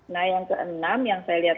nah yang keenam yang saya lihat